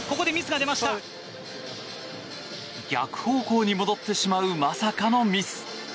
逆方向に戻ってしまうまさかのミス。